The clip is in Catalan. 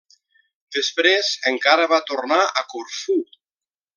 Després encara va tornar a Corfú.